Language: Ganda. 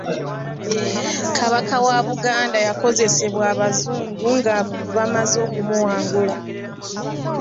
Kabaka wa Buganda yakozesebwa Abazungu nga bamaze okumuwangula.